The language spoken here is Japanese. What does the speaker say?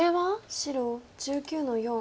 白１９の四。